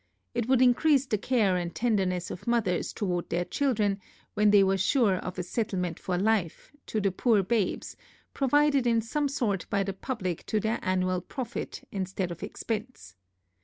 It would encrease the care and tenderness of mothers towards their children, when they were sure of a settlement for life to the poor babes, provided in some sort by the publick, to their annual profit instead of expence.